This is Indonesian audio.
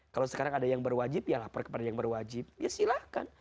kalau sekarang ada yang berwajib ya lapor kepada yang berwajib ya silahkan